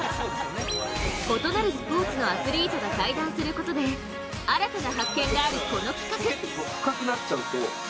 異なるスポーツのアスリートが対談することで新たな発見があるこの企画。